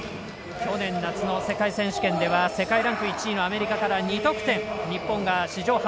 去年夏の世界選手権では世界ランク１位のアメリカから２得点日本が史上